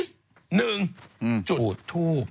หนึ่งจุดทูบ